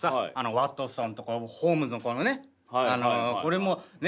ワトソンとホームズのこのねこれもね